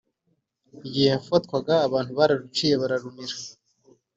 ” Igihe yafatwaga abantu bararuciye bararumira